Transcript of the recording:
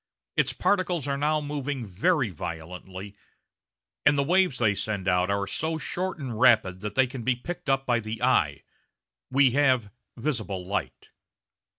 Its particles are now moving very violently, and the waves they send out are so short and rapid that they can be picked up by the eye we have visible light.